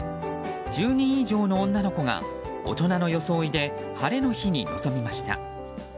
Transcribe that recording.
１０人以上の女の子が大人の装いで晴れの日に臨みました。